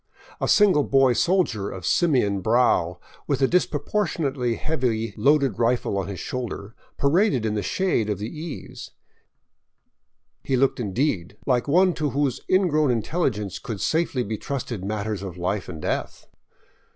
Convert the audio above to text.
A single boy soldier of simian brow, with a disproportionately heavy loaded rifle on his shoulder, paraded in the shade of the eaves. He looked, indeed, like one to whose ingrown intelligence could safely be trusted matters of life and death!